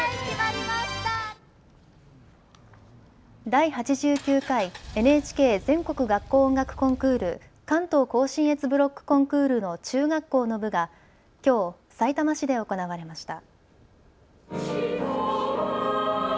第８９回ＮＨＫ全国学校音楽コンクール関東甲信越ブロックコンクールの中学校の部がきょうさいたま市で行われました。